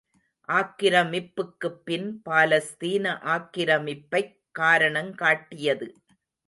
ஆக்கிரமிப்புக்குப்பின் பாலஸ்தீன ஆக்கிரமிப்பைக் காரணங்காட்டியது.